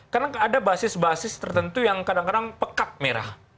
karena ada basis basis tertentu yang kadang kadang pekat merah